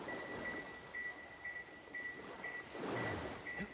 Z vrcholu je krásný výhled na město Ružomberok.